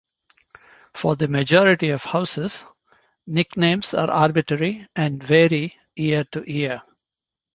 For the majority of houses, nicknames are arbitrary and vary year to year.